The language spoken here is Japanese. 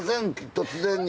突然に。